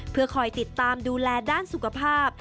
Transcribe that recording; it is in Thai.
เพื่อคอยติดตามดูแลด้านสุขภาพ